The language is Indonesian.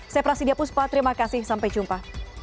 saya prasidya puspa terima kasih sampai jumpa